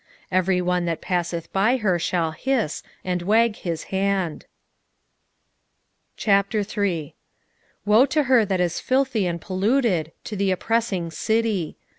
every one that passeth by her shall hiss, and wag his hand. 3:1 Woe to her that is filthy and polluted, to the oppressing city!